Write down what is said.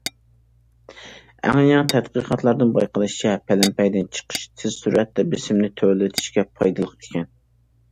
ئەڭ يېڭى تەتقىقاتلاردىن بايقىلىشىچە، پەلەمپەيدىن چىقىش تېز سۈرئەتتە بېسىمنى تۆۋەنلىتىشكە پايدىلىق ئىكەن.